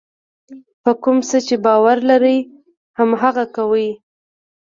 په کوم څه چې باور لرئ هماغه کوئ.